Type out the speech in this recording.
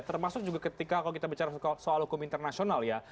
termasuk juga ketika kalau kita bicara soal hukum internasional ya